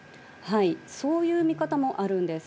そういう見方もあるんです。